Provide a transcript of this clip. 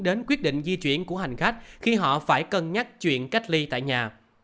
đến quyết định di chuyển của hành khách khi họ phải cân nhắc chuyện cách ly tại nhà